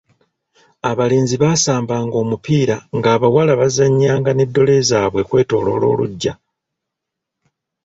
Abalenzi baasamba ng'omupiira nga abawala baazanyanga ne ddole zaabwe okwetolola olugya.